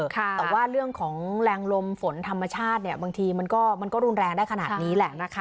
แต่ว่าเรื่องของแรงลมฝนธรรมชาติเนี่ยบางทีมันก็รุนแรงได้ขนาดนี้แหละนะคะ